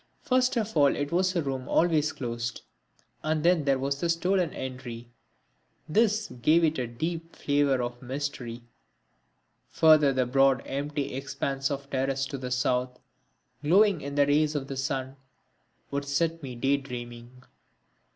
First of all it was a room always closed, and then there was the stolen entry, this gave it a deep flavour of mystery; further the broad empty expanse of terrace to the south, glowing in the rays of the sun would set me day dreaming.